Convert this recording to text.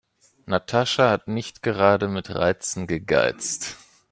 Natascha hat nicht gerade mit Reizen gegeizt.